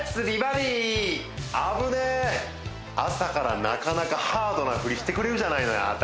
美バディ危ねえ朝からなかなかハードなフリしてくれるじゃないのよ